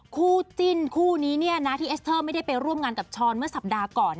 คู่จิ้นคู่นี้เนี่ยนะที่เอสเตอร์ไม่ได้ไปร่วมงานกับช้อนเมื่อสัปดาห์ก่อน